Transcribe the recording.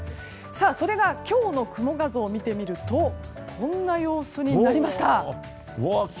それが、今日の雲画像を見てみるとこんな様子になりました。